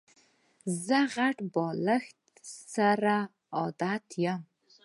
زه غټ بالښت سره عادت یم.